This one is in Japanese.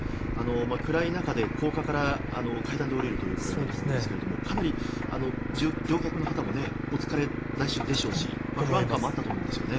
暗い中で高架から階段で下りるということですがかなり乗客の方もお疲れでしょうし不安感もあったと思うんです。